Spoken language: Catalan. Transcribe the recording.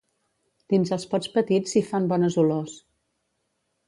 Dins els pots petits s'hi fan bones olors.